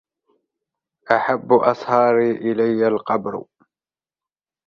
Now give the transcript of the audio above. أَحَبُّ أَصْهَارِي إلَيَّ الْقَبْرُ